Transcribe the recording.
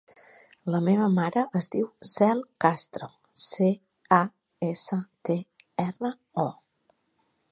La meva mare es diu Cel Castro: ce, a, essa, te, erra, o.